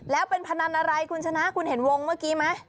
แล้วเป็นพนันอะไรคุณชนะคุณเห็นวงเมื่อกี้ไหม